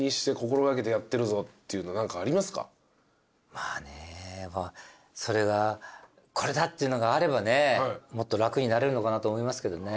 まあねそれがこれだっていうのがあればねもっと楽になれるのかなと思いますけどね。